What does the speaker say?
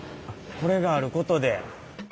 これがあることで。